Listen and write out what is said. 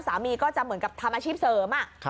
สามีก็จะเหมือนกับทำอาชีพเสริม